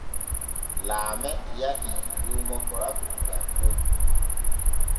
Laame yahii luumo koraku gam coggu.